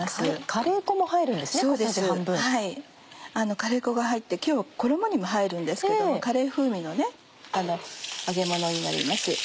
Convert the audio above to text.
カレー粉が入って今日衣にも入るんですけれどもカレー風味の揚げものになります。